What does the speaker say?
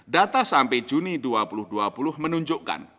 data sampai juni dua ribu dua puluh menunjukkan